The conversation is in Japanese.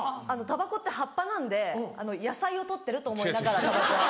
たばこって葉っぱなんで野菜を取ってると思いながらたばこは。